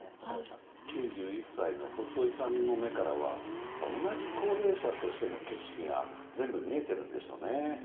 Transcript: ９１歳の細井さんの目からは同じ高齢者としての景色が全部見えているんでしょうね。